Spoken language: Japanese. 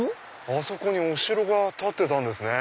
あそこにお城が立ってたんですね。